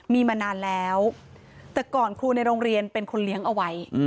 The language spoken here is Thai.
มีมานานแล้วแต่ก่อนครูในโรงเรียนเป็นคนเลี้ยงเอาไว้